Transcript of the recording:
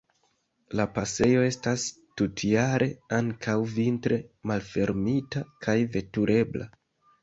La pasejo estas tutjare, ankaŭ vintre, malfermita kaj veturebla.